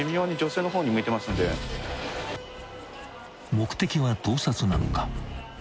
［目的は盗撮なのか？］